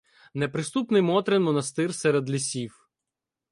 Неприступний Мотрин монастир серед лісів.